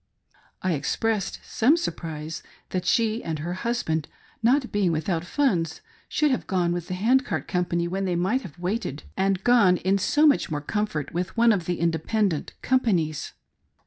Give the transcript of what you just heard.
I expressed some surprise that she and her husband, not being without funds, should have gone with the Hand Cart Company when they might have waited and have gone with igS A MATTER OF FAITH. SO much more comfort with one of the independent com panies.